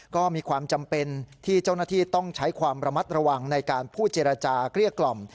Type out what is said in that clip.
ก็มีความจำเป็นที่เจ้าหน้าที่ต้องใช้ความระมัดระวังในการพูดเจรจาเกลี้ยกล่อม